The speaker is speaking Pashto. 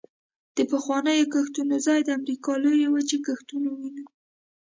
د پخوانیو کښتونو ځای د امریکا لویې وچې کښتونو ونیو